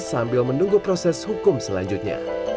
kondisi kesehatan terhadap david masih terus berlangsung